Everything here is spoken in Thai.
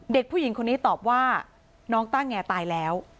เด็กผู้หญิงคนนี้ตอบว่าน้องต้าแงตายแล้ว